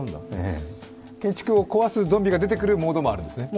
建築を壊すゾンビが出てくるモードもあるんですね。